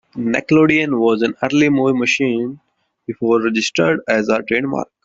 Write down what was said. "Nickelodeon" was an early movie machine before registered as a trademark.